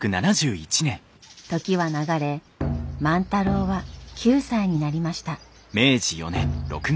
時は流れ万太郎は９歳になりました。